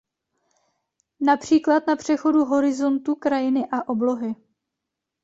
Například na přechodu horizontu krajiny a oblohy.